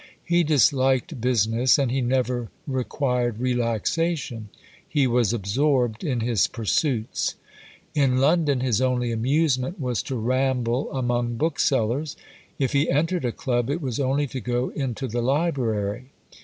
He disliked business, and he never required relaxation; he was absorbed in his pursuits. In London his only amusement was to ramble among booksellers; if he entered a club, it was only to go into the library.